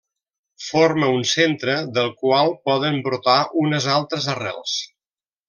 Forma un centre del qual poden brotar unes altres arrels.